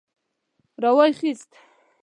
را وايي خيست.